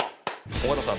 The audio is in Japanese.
尾形さん